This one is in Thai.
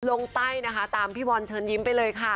ไต้นะคะตามพี่บอลเชิญยิ้มไปเลยค่ะ